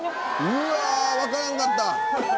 うわわからんかった！